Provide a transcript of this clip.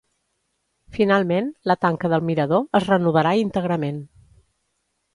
Finalment, la tanca del mirador es renovarà íntegrament.